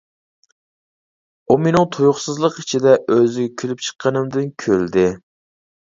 ئۇ مېنىڭ تۇيۇقسىزلىق ئىچىدە ئۆزىگە كۈلۈپ چىققىنىمدىن كۈلدى.